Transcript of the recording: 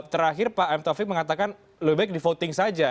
terakhir pak m taufik mengatakan lebih baik di voting saja